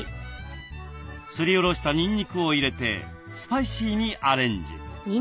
すりおろしたにんにくを入れてスパイシーにアレンジ。